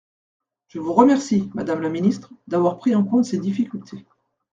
Je vous remercie, madame la ministre, d’avoir pris en compte ces difficultés.